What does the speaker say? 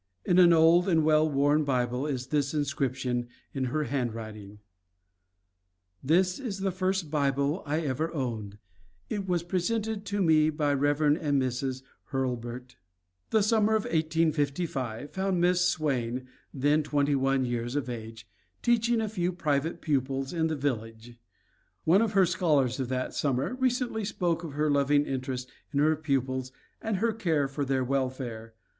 In an old and well worn Bible is this inscription in her handwriting: "This is the first Bible I ever owned. It was presented to me by Rev. and Mrs. Hurlburt." The sumer of 1855 found Miss Swain, then twenty one years of age, teaching a few private pupils in the village. One of her scholars of that summer recently spoke of her loving interest in her pupils and her care for their welfare.